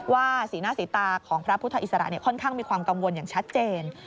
สีหน้าสีตาของพระพุทธอิสระค่อนข้างมีความกังวลอย่างชัดเจน